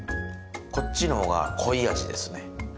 こっちの方が濃い味ですね。